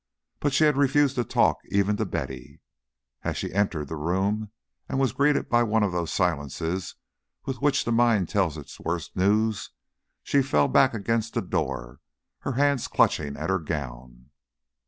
But she had refused to talk even to Betty. As she entered the room and was greeted by one of those silences with which the mind tells its worst news, she fell back against the door, her hands clutching at her gown.